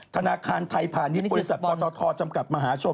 ธนาคารไทยผ่านนิดบริษัทตอตทจำกัดมหาชม